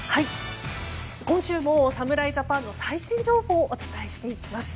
今週も侍ジャパンの最新情報をお伝えしていきます。